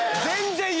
全然。